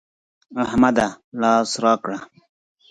احمده! لاس راکړه.